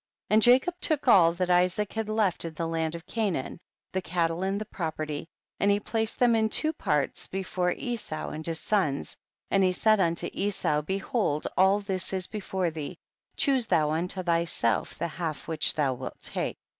16. And Jacob took all that Isaac had left in the land of Canaan, the cattle and the property, and he placed them in two parts before Esau and his sons, and he said unto Esau, be hold all this is before thee, choose thou unto thyself the half which thou wilt take.